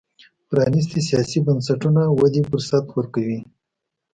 پرانیستي سیاسي بنسټونه ودې فرصت ورکوي.